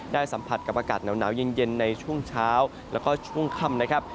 สัมผัสกับอากาศหนาวเย็นในช่วงเช้าแล้วก็ช่วงค่ำนะครับ